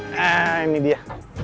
nah ini dia